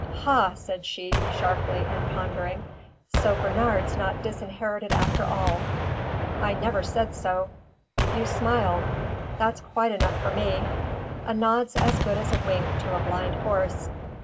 "Ha!" said she, sharply and pondering. "So Bernard's not disinherited after all." "I never said so." "You smiled. That's quite enough for me. 'A nod's as good as a wink to a blind horse.'